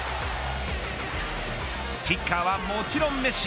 キッカーは、もちろんメッシ。